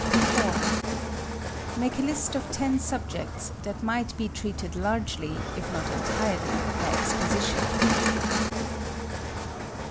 Make a list of ten subjects that might be treated largely, if not entirely, by exposition.